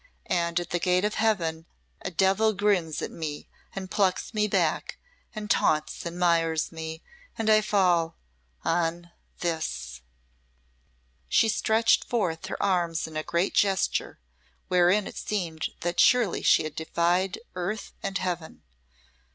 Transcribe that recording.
And at the gate of heaven a devil grins at me and plucks me back, and taunts and mires me, and I fall on this!" She stretched forth her arms in a great gesture, wherein it seemed that surely she defied earth and heaven.